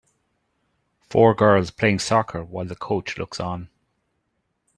Four girls playing soccer while the coach looks on.